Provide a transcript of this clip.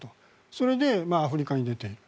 それでアフリカに出ている。